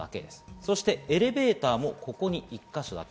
そしてエレベーターもここに１か所だけ。